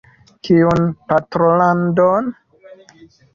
Kiun patrolandon?